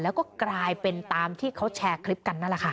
แล้วก็กลายเป็นตามที่เขาแชร์คลิปกันนั่นแหละค่ะ